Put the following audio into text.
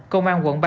công an quận ba